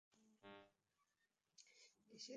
এসে দেখে যান।